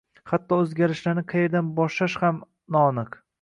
hatto o‘zgarishlarni qayerdan boshlash ham noaniq;